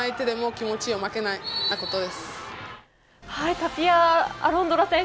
タピア・アロンドラ選手